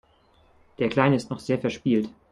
Der Kleine ist noch sehr verspielt.